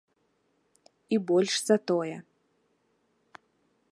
І больш за тое.